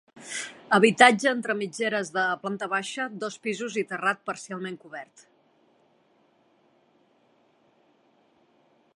Habitatge entre mitgeres de planta baixa, dos pisos i terrat parcialment cobert.